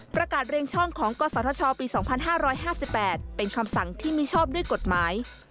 ประกาศเรียงช่องของกศธชปี๒๕๕๘เป็นคำสั่งที่มิชอบด้วยกฎหมาย